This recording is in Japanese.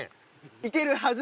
いけるはず！